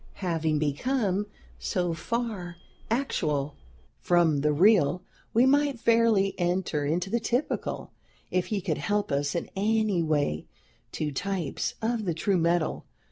Having become so far actual, from the real, we might fairly enter into the typical, if he could help us in any way to types of the true metal.